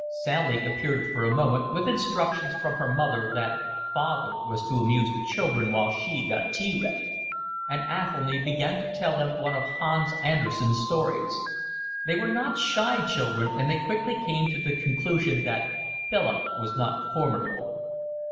Sally appeared for a moment, with instructions from her mother that father was to amuse the children while she got tea ready; and Athelny began to tell them one of Hans Andersen's stories. They were not shy children, and they quickly came to the conclusion that Philip was not formidable.